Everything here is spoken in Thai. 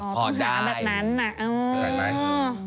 อ๋อคำถามแบบนั้นอะ